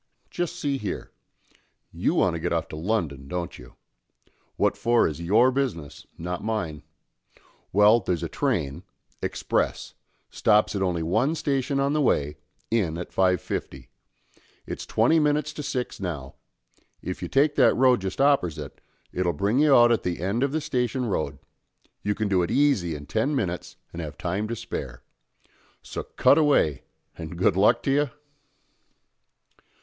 Just see here. You want to get off to London, don't you? What for is your business, not mine. Well, there's a train, express, stops at only one station on the way, in at 5.50. It's twenty minnits to six now. If you take that road just oppersite, it'll bring you out at the end of the Station Road; you can do it easy in ten minnits and have time to spare. So cut away, and good luck to you?"